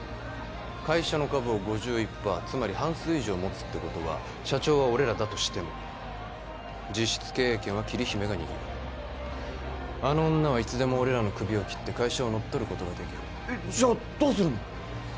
会社の株を５１パーつまり半数以上持つってことは社長は俺らだとしても実質経営権は桐姫が握るあの女はいつでも俺らのクビを切って会社を乗っ取ることができるえっじゃどうするの？